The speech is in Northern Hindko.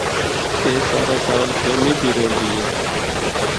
اے سارا سال جمی دی رہندی اے۔